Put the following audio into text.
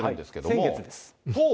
先月です。